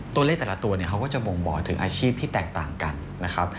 ตัวเลขแต่ละตัวเขาก็จะมงบ่อถึงอาชีพที่แตกต่างกันนะครับ